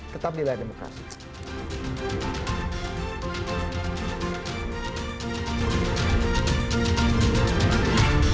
tetap di lain demokrasi